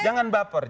jangan baper dong